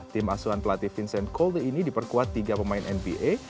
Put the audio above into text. tim asuhan pelatih vincent colly ini diperkuat tiga pemain nba